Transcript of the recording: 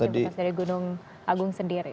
dari gunung agung sendiri